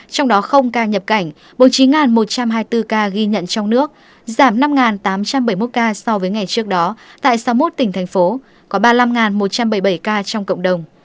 trong đó không ca nhập cảnh bố trí một trăm hai mươi bốn ca ghi nhận trong nước giảm năm tám trăm bảy mươi một ca so với ngày trước đó tại sáu mươi một tỉnh thành phố có ba mươi năm một trăm bảy mươi bảy ca trong cộng đồng